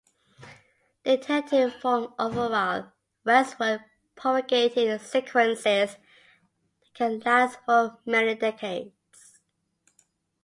They tend to form overall westward propagating sequences that can last for many decades.